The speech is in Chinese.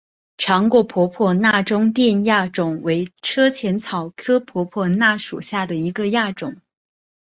长果婆婆纳中甸亚种为车前草科婆婆纳属下的一个亚种。